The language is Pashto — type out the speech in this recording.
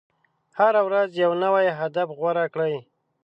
هره ورځ یو نوی هدف غوره کړئ.